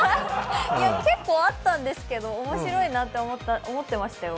結構あったんですけど、おもしろいなと思ってましたよ。